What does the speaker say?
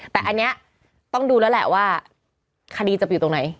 แต่อันนี้ต้องดูแล้วแหละว่าคดีจะไปอยู่ตรงไหน